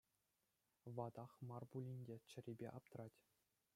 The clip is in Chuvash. Ватах мар пулин те, чӗрипе аптрать.